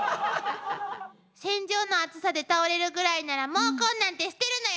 戦場の暑さで倒れるぐらいなら毛根なんて捨てるのよ！